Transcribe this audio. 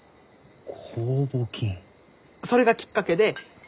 それがきっかけで。